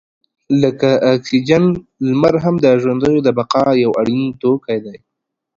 لکه اکسیجن، لمر هم د ژوندیو د بقا یو اړین توکی دی.